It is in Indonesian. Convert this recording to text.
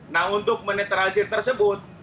nah untuk menetralisir tersebut